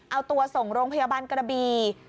เอาตัวส่งโรงพยาบาลกระบี